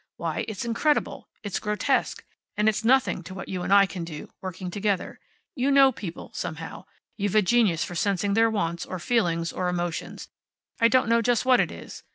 Why, it's incredible. It's grotesque. And it's nothing to what you and I can do, working together. You know people, somehow. You've a genius for sensing their wants, or feelings, or emotions I don't know just what it is.